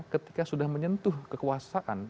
ketika sudah menyentuh kekuasaan